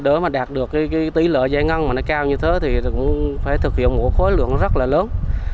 để đạt được tỷ lệ giải ngân cao như thế phải thực hiện một khối lượng rất lớn